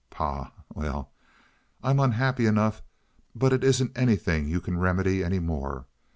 Pah! Well, I'm unhappy enough, but it isn't anything you can remedy any more.